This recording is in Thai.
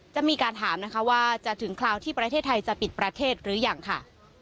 จะมีการถามนะคะว่าจะถึงคราวที่ประเทศไทยจะปิดประเทศหรือยังค่ะ